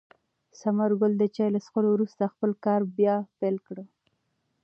ثمر ګل د چای له څښلو وروسته خپل کار بیا پیل کړ.